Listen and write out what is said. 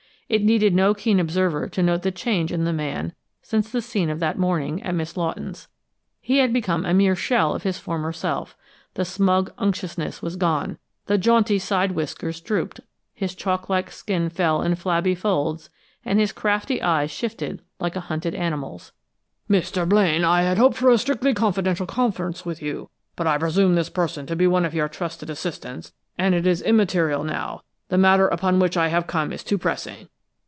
It needed no keen observer to note the change in the man since the scene of that morning, at Miss Lawton's. He had become a mere shell of his former self. The smug unctuousness was gone; the jaunty side whiskers drooped; his chalk like skin fell in flabby folds, and his crafty eyes shifted like a hunted animal's. "Mr. Blaine, I had hoped for a strictly confidential conference with you, but I presume this person to be one of your trusted assistants, and it is immaterial now the matter upon which I have come is too pressing!